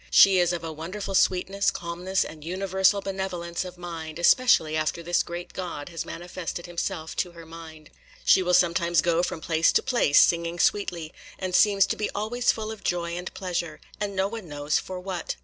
She is of a wonderful sweetness, calmness, and universal benevolence of mind, especially after this great God has manifested Himself to her mind. She will sometimes go from place to place singing sweetly, and seems to be always full of joy and pleasure; and no one knows for what.